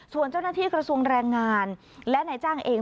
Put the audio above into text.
ส่วนเจ้าหน้าที่กระทรวงแรงงานและนายจ้างเอง